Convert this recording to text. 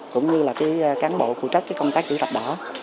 cũng như cán bộ phụ trách công tác chữ thuật đỏ